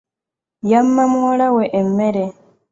Yamma muwala we emmere.